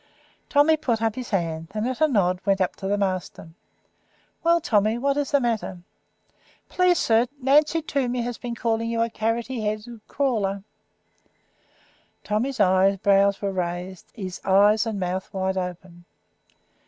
Tommy put up his hand, and, at a nod, went up to the master. "Well, Tommy, what is the matter?" "Please, sir, Nancy Toomey has been calling you a carroty headed crawler." Tommy's eyebrows were raised, his eyes and mouth wide open.